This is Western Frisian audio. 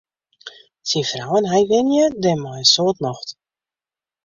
Syn frou en hy wenje dêr mei in soad nocht.